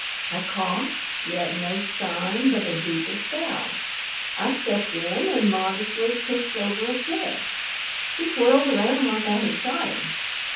I coughed, yet no sign but a deeper scowl. I stepped in and modestly kicked over a chair. He whirled around like I had shot him.